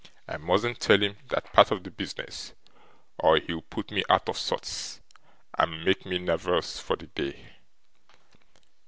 I mustn't tell him that part of the business, or he'll put me out of sorts, and make me nervous for the day.